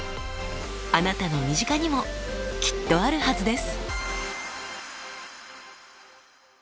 あなたの身近にもきっとあるはずです！